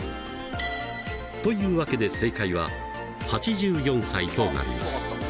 というわけで正解は８４歳となります。